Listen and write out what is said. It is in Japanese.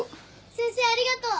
先生ありがとう。